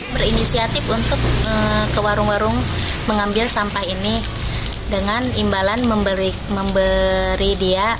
berinisiatif untuk ke warung warung mengambil sampah ini dengan imbalan memberi dia